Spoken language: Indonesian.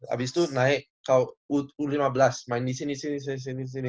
abis itu naik u lima belas main di sini sini sini sini sini sini